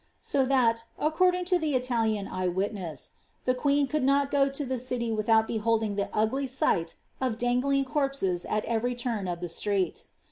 So that, according to an Italian eye witness,^* the queen could not go to the city without behold ing tlie ugly sight of dangling corpses at ever}' turn of the street."